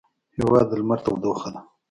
هېواد د لمر تودوخه ده.